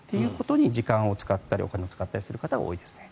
時間を使ったりお金を使う方が多いですね。